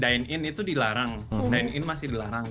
dine in itu dilarang dine in masih dilarang